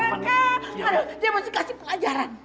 aduh dia mesti kasih pelajaran